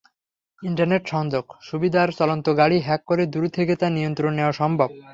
Internet সংযোগ সুবিধার চলন্ত গাড়ি হ্যাক করে দূর থেকে তার নিয়ন্ত্রণ নেওয়া সম্ভব।